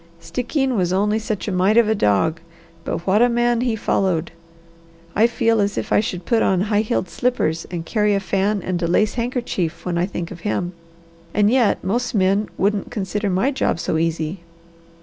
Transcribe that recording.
Stickeen was only such a mite of a dog. But what a man he followed! I feel as if I should put on high heeled slippers and carry a fan and a lace handkerchief when I think of him. And yet, most men wouldn't consider my job so easy!"